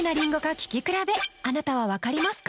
聴き比べあなたは分かりますか？